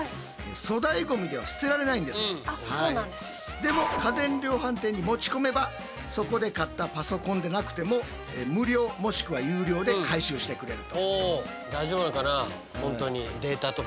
でも家電量販店に持ち込めばそこで買ったパソコンでなくても無料もしくは有料で回収してくれると。